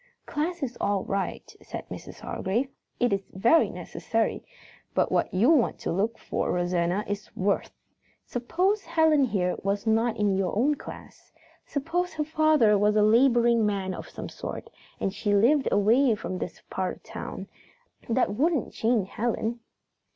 "Class is all right," said Mrs. Hargrave. "It is very necessary, but what you want to look for, Rosanna, is worth. Suppose Helen here was not in your own class. Suppose her father was a laboring man of some sort, and she lived away from this part of town, that wouldn't change Helen."